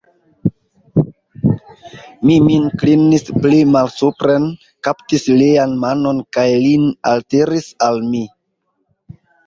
Mi min klinis pli malsupren, kaptis lian manon kaj lin altiris al mi.